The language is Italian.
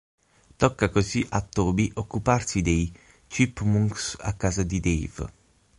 Tocca così a Toby occuparsi dei Chipmunks a casa di Dave.